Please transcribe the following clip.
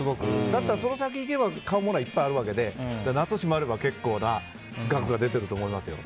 だったら、その先行けば買うものはいっぱいあるわけで結構な額が出ていると思いますよ。